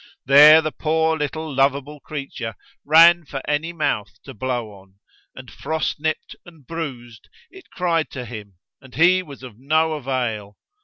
There the poor little loveable creature ran for any mouth to blow on; and frostnipped and bruised, it cried to him, and he was of no avail!